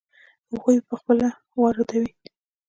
هغوی یې خپله را واردوي.